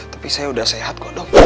tapi saya udah sehat kok dok